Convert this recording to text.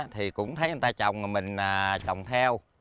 thì cũng thấy người ta trồng mà mình trồng theo